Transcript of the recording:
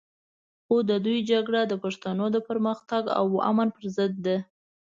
خو د دوی جګړه د پښتنو د پرمختګ او امن پر ضد ده.